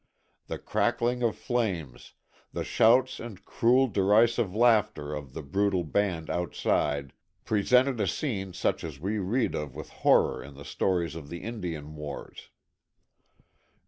The crackling of flames, the shouts and cruel, derisive laughter of the brutal band outside presented a scene such as we read of with horror in the stories of the Indian wars.